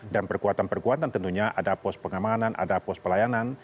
dan perkuatan perkuatan tentunya ada pos pengamanan ada pos pelayanan